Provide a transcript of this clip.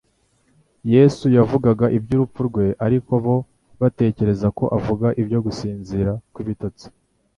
Yesu yavugaga iby'urupfu rwe; ariko bo batekereza ko avuze ibyo gusinzira kw'ibitotsi.»